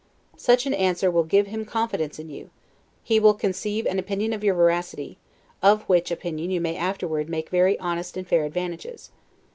Such an answer will give him confidence in you; he will conceive an opinion of your veracity, of which opinion you may afterward make very honest and fair advantages.